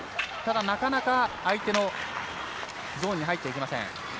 ただ、なかなか相手のゾーンに入っていけません。